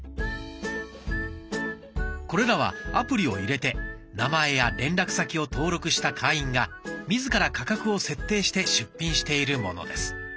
これらはアプリを入れて名前や連絡先を登録した会員が自ら価格を設定して出品しているものです。